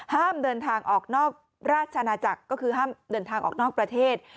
ห้ามเดินทางออกนอกราชนาจักรก็คือห้ามเดินทางออกนอกประเทศ